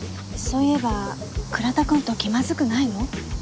そういえば倉田くんと気まずくないの？